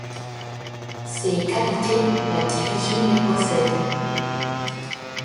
Ces qualités, la division les possède.